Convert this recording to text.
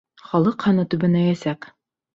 Халыҡ һаны түбәнәйәсәк.